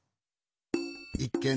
いっけん